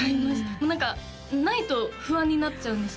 もう何かないと不安になっちゃうんですよ